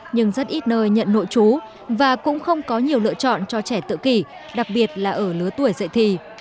nhưng rất ít nơi nhận nội chú và cũng không có nhiều lựa chọn cho trẻ tự kỷ đặc biệt là ở lứa tuổi dạy thì